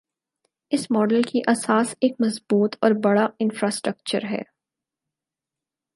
اس model کی اساس ایک مضبوط اور بڑا انفراسٹرکچر ہے۔